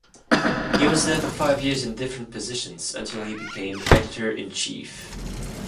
He was there for five years in different positions until he became editor-in-chief.